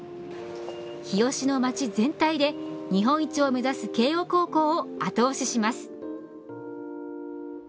日吉の街全体で日本一を目指す慶応高校を後押しします。